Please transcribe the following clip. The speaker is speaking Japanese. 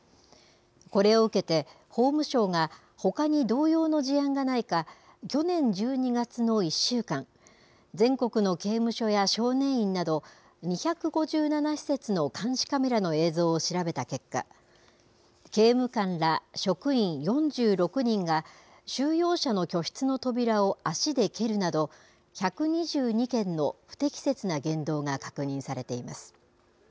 これを受けて、法務省がほかに同様の事案がないか、去年１２月の１週間、全国の刑務所や少年院など、２５７施設の監視カメラの映像を調べた結果、刑務官ら職員４６人が、収容者の居室の扉を足で蹴るなど、１２２件の不適切な言動が確認されています。